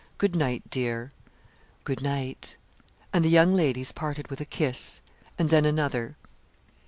Good night, dear.' 'Good night.' And the young ladies parted with a kiss, and then another.